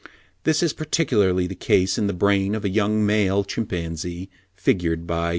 This is particularly the case in the brain of a young male chimpanzee figured by M.